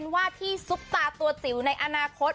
ว่าที่ซุปตาตัวจิ๋วในอนาคต